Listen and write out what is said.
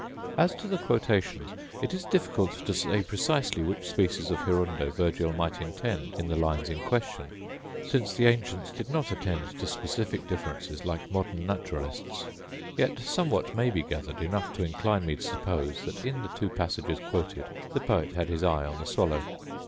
As to the quotations, it is difficult to say precisely which species of hirundo Virgil might intend in the lines in question, since the ancients did not attend to specific differences like modern naturalists: yet somewhat may be gathered, enough to incline me to suppose that in the two passages quoted the poet had his eye on the swallow.